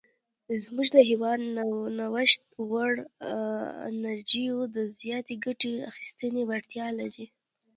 زموږ هیواد د نوښت وړ انرژیو د زیاتې ګټې اخیستنې وړتیا لري.